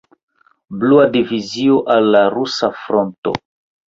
Blua Divizio al la Rusa Fronto.